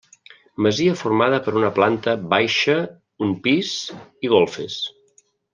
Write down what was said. Masia formada per una planta baixa, un pis i golfes.